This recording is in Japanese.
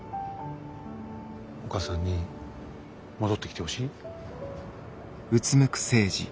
お母さんに戻ってきてほしい？